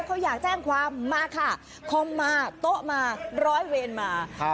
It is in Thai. เขาอยากแจ้งความมาค่ะคอมมาโต๊ะมาร้อยเวรมา